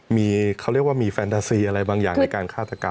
มีเขาเรียกว่ามีแฟนตาซีอะไรบางอย่างในการฆาตกรรม